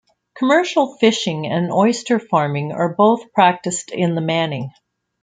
Commercial fishing and oyster farming are both practiced in the Manning.